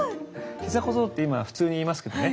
ひざこぞうって今普通に言いますけどね